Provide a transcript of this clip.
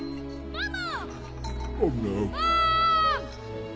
ママ！